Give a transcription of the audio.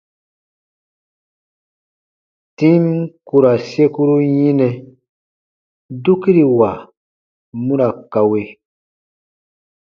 Tim ku ra sekuru yinɛ, dukiriwa mu ra kawe.